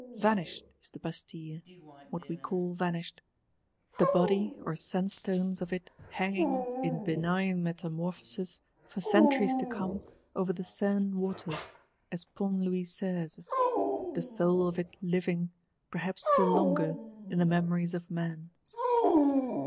Vanished is the Bastille, what we call vanished: the body, or sandstones, of it hanging, in benign metamorphosis, for centuries to come, over the Seine waters, as Pont Louis Seize; the soul of it living, perhaps still longer, in the memories of men.